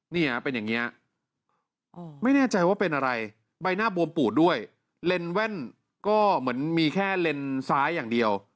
เนี่ยเป็นอย่างนี้ไม่แน่ใจว่าเป็นอะไรใบหน้าบวมปูดด้วยเลนแว่นก็เหมือนมีแค่เลนซ้ายอย่างเดียว